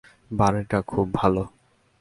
বাড়িটা খুবই ভালো।